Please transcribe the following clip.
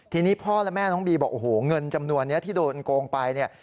ทีนี้พ่อและแม่น้องบีบอกโอ้โหเงินจำนวนนี้ที่โดนโกงไปเนี่ย